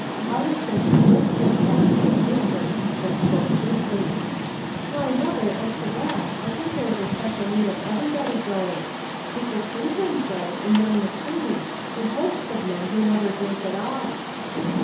Holly sent a swift look after his sister, and spoke quickly : "Why, mother, as to that, I think there is special need of everybody going. Mr. Cleveland goes, and young McLean, and hosts of men who never drink at all."